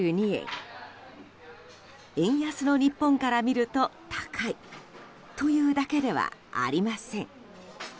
円安の日本から見ると高いというだけではありません。